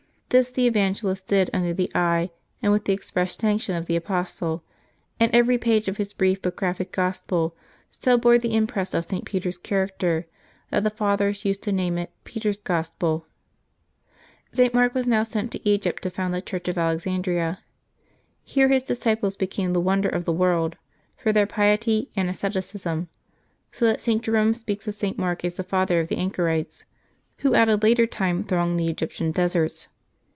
This the Evangelist did under the eye and with the express sanction of the apostle, and every page of his brief but graphic gospel so bore the impress of St. Peter's character, that the Fathers used to name it " Peter's Gospel.^^ St. Mark was now sent to Egypt to found the Church of Alexandria. Here his disciples be came the wonder of the world for their piety and asceti cism, so that St. Jerome speaks of St. Mark as the father of the anchorites, who at a later time thronged the Egyp tian deserts.